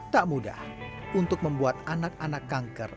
tak mudah untuk membuat anak anak kanker